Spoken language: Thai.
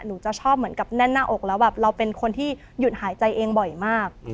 หนูจะชอบเหมือนกับแน่นหน้าอกแล้วแบบเราเป็นคนที่หยุดหายใจเองบ่อยมาก